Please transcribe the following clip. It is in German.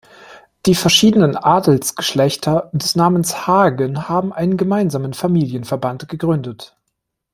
Die verschiedenen Adelsgeschlechter des Namens Hagen haben einen gemeinsamen Familienverband gegründet.